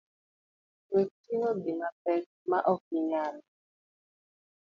Wekting’o gima pek maok inyal.